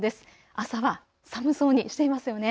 朝は寒そうにしていますよね。